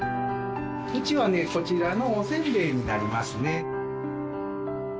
うちはねこちらのおせんべいになりますね。